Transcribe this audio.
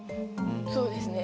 そうですね。